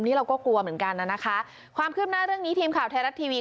นี่เราก็กลัวเหมือนกันน่ะนะคะความคืบหน้าเรื่องนี้ทีมข่าวไทยรัฐทีวี